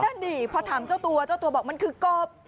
ดิพอถามเจ้าตัวเจ้าตัวบอกมันคือกบ